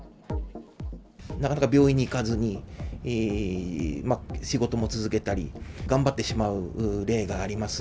なかなか病院に行かずに、仕事も続けたり、頑張ってしまう例があります。